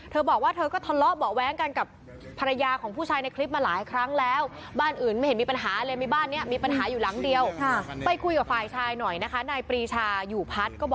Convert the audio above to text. เธอบอกว่าเธอก็ทะเลาะเบาะแว้งกันกับ